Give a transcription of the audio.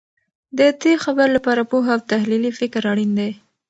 د دې خبر لپاره پوهه او تحلیلي فکر اړین دی.